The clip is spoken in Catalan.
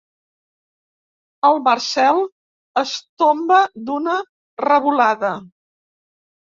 El Marcel es tomba d'una revolada.